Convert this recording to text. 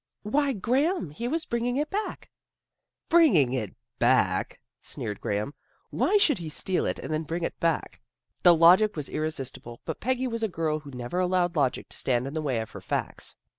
" Why, Graham, he was bringing it back." THE BAZAR 113 " Bringing it back," sneered Graham. " Why should he steal it, and then bring it back? " The logic was irresistible, but Peggy was a girl who never allowed logic to stand in the way of her facts.